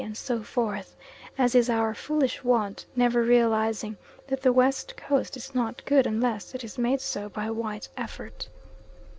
and so forth, as is our foolish wont, never realising that the West Coast is not good unless it is made so by white effort.